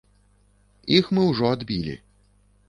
Іх мы ўжо адбілі.